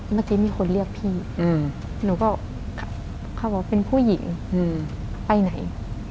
เมื่อกี้มีคนเรียกพี่หนูก็เขาบอกเป็นผู้หญิงไปไหน